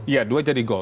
iya dua jadi goal